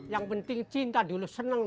yang penting cinta dulu seneng